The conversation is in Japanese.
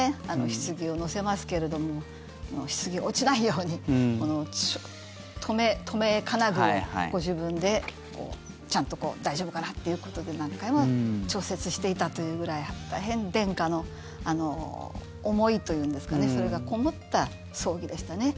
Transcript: ひつぎを載せますけれどもひつぎが落ちないように留め金具をご自分でちゃんと大丈夫かなということで何回も調節していたというぐらい大変、殿下の思いというんですかそれがこもった葬儀でしたね。